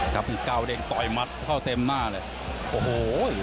เก้าเด้งต่อยมัดเข้าเต็มหน้าเลยโอ้โห